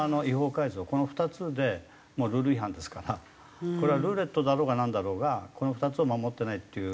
この２つでもうルール違反ですからこれはルーレットだろうがなんだろうがこの２つを守ってないっていう。